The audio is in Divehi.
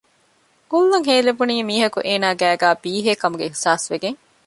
ހުލް އަށް ހޭލެވުނީ މީހަކު އޭނާގެ ގައިގައި ބީހޭ ކަމުގެ އިހުސާސްވެގެން